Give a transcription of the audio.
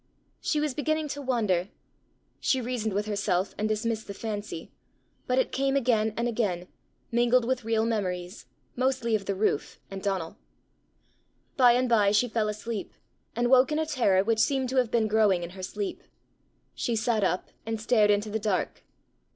She was beginning to wander. She reasoned with herself, and dismissed the fancy; but it came and came again, mingled with real memories, mostly of the roof, and Donal. By and by she fell asleep, and woke in a terror which seemed to have been growing in her sleep. She sat up, and stared into the dark.